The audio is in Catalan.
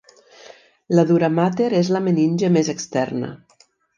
La duramàter és la meninge més externa.